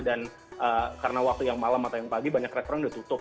dan karena waktu yang malam atau yang pagi banyak restoran udah tutup